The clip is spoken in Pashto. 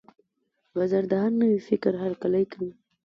بازار د هر نوي فکر هرکلی کوي.